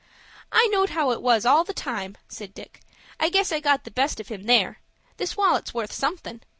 "I knowed how it was all the time," said Dick. "I guess I got the best of him there. This wallet's worth somethin'.